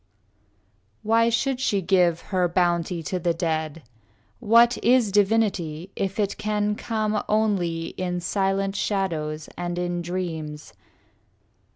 II Why should she give her bounty to the dead? What is divinity if it can come Only in silent shadows and in dreams?